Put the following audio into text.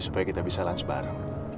supaya kita bisa lunch bareng